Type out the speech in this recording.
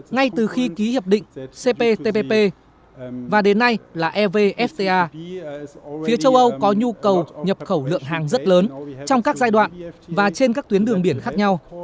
ngay từ khi ký hiệp định cptpp và đến nay là evfta phía châu âu có nhu cầu nhập khẩu lượng hàng rất lớn trong các giai đoạn và trên các tuyến đường biển khác nhau